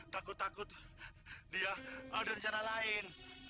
takut takut dia ada di sana lain